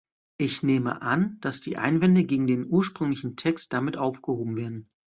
Ich nehme an, dass die Einwände gegen den ursprünglichen Text damit aufgehoben werden.